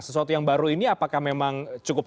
sesuatu yang baru ini apakah memang cukup